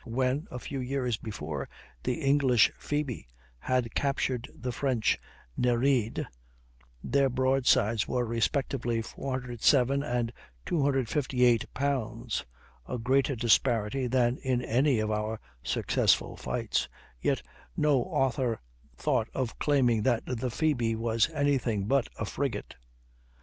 When, a few years before, the English Phoebe had captured the French Nereide, their broadsides were respectively 407 and 258 pounds, a greater disparity than in any of our successful fights; yet no author thought of claiming that the Phoebe was any thing but a frigate.